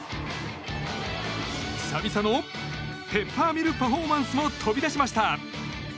久々のペッパーミルパフォーマンスも飛び出しました。